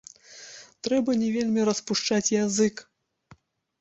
Трэба не вельмі распушчаць язык.